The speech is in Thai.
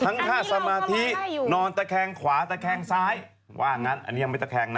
ท่าสมาธินอนตะแคงขวาตะแคงซ้ายว่างั้นอันนี้ยังไม่ตะแคงนะ